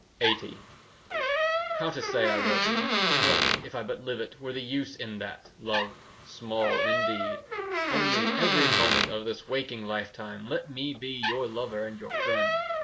LXXX How to say I love you: What, if I but live it, Were the use in that, love? Small, indeed. Only, every moment 5 Of this waking lifetime Let me be your lover And your friend!